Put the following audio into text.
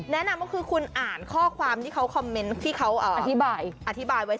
เน้นธ์นำคุณอ่านข้อความอธิบายเขาออกมา